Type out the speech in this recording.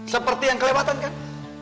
seperti yang kelewatan kan